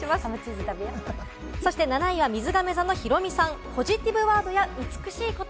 ７位は、みずがめ座のヒロミさん。